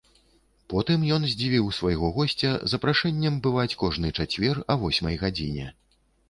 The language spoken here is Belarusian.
Потым ён здзівіў свайго госця запрашэннем бываць кожны чацвер а восьмай гадзіне.